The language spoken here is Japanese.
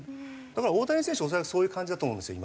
だから大谷選手も恐らくそういう感じだと思うんですよ